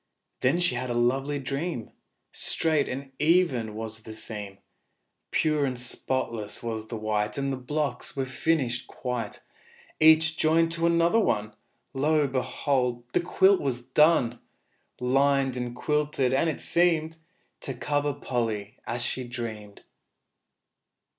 Then she had a lovely dream; Straight and even was the seam, Pure and spotless was the white; All the blocks were finished quite Each joined to another one. Lo, behold! the quilt was done, Lined and quilted, and it seemed To cover Polly as she dreamed!